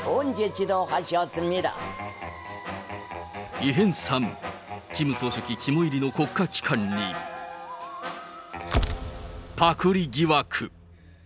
異変３、キム総書記肝煎りの国家機関に、パクリ疑惑。